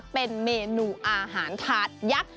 เป็นเมนูอาหารถาดยักษ์